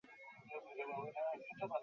আর আমার বাড়ি যেতে হবে।